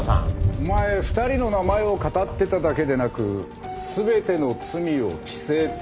お前２人の名前をかたってただけでなく全ての罪を着せて。